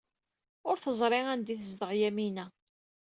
Ur teẓri anda ay tezdeɣ Yamina.